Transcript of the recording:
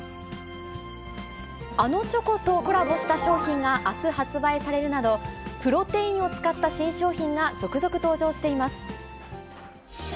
あのチョコとコラボした商品があす発売されるなど、プロテインを使った新商品が、続々登場しています。